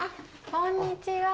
こんにちは。